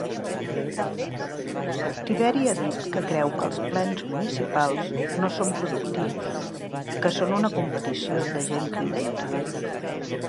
Tiberi ha dit que creu que els plens municipals no són "productius" i que són "una competició de gent cridanera".